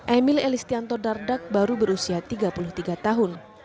emil elistianto dardak baru berusia tiga puluh tiga tahun